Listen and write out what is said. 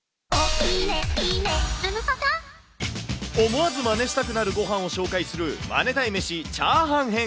思わずマネしたくなるごはんを紹介するマネたい飯、チャーハン編。